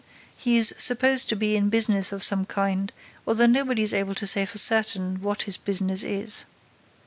He is supposed to be in business of some kind, although nobody is able to say for certain what his business is.